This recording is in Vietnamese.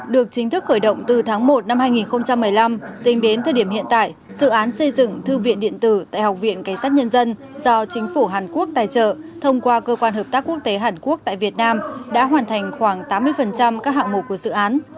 được chính thức khởi động từ tháng một năm hai nghìn một mươi năm tính đến thời điểm hiện tại dự án xây dựng thư viện điện tử tại học viện cảnh sát nhân dân do chính phủ hàn quốc tài trợ thông qua cơ quan hợp tác quốc tế hàn quốc tại việt nam đã hoàn thành khoảng tám mươi các hạng mục của dự án